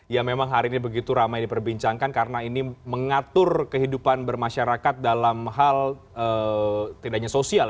yang memang hari ini begitu ramai diperbincangkan karena ini mengatur kehidupan bermasyarakat dalam hal tidak hanya sosial